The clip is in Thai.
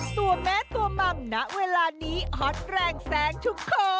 ตัวแม่ตัวหม่ำณเวลานี้ฮอตแรงแซงทุกโค